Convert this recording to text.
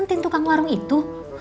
ntintukang warung itu